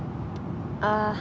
ああ。